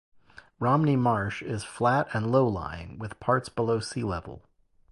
Romney Marsh is flat and low-lying, with parts below sea-level.